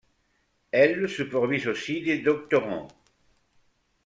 Elle supervise aussi des doctorants.